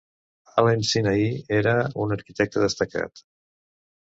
Allen Sinai era un arquitecte destacat.